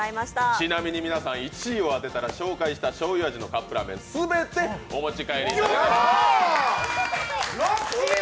ちなみに皆さん、１位を当てたら紹介したしょうゆ味のカップラーメンを全てお持ち帰りいただきます。